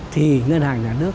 thì ngân hàng nhà nước